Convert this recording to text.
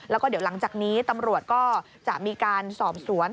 แล้วก็เดี๋ยวหลังจากนี้ตำรวจก็จะมีการสอบสวน